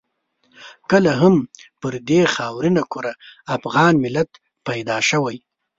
کله هم پر دې خاورینه کره افغان ملت پیدا شوی.